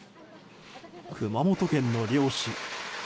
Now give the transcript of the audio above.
熊本県の漁師。